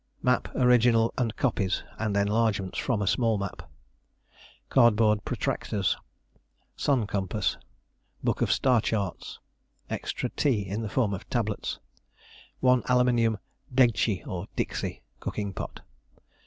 Map, original and copies; and enlargements from a small map. Cardboard protractors. "Sun compass." Book of star charts. Extra tea in the form of tablets. 1 aluminium "degchie" or "dixie" (cooking pot).